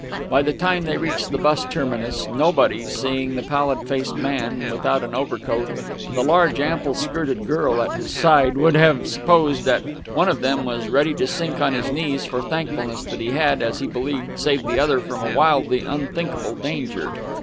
By the time they reached the bus terminus, nobody, seeing the pallid faced man without an overcoat and the large ample skirted girl at his side, would have supposed that one of them was ready to sink on his knees for thankfulness that he had, as he believed, saved the other from a wildly unthinkable danger.